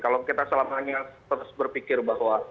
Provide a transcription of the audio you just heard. kalau orang orang yang selamanya terus berpikir bahwa